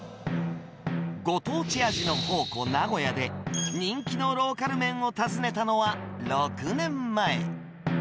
ご当地味の宝庫、名古屋で人気のローカル麺を訪ねたのは６年前。